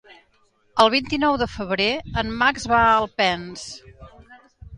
El vint-i-nou de febrer en Max va a Alpens.